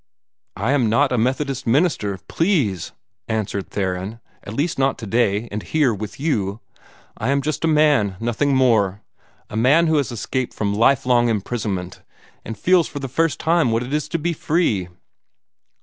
"I am not a Methodist minister please!" answered Theron "at least not today and here with you! I am just a man nothing more a man who has escaped from lifelong imprisonment, and feels for the first time what it is to be free!"